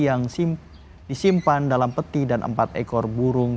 yang disimpan dalam peti dan empat ekor burung